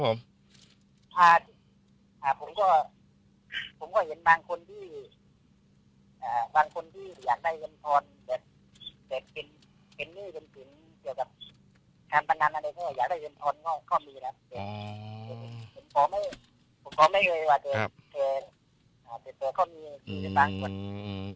ผมก็เห็นบางคนที่อยากได้เย็นทนเกี่ยวกับความประหลาดในเท่าไหร่อยากเย็นทนก็มี